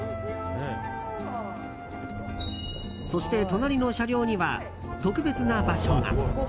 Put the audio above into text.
そして隣の車両には特別な場所が。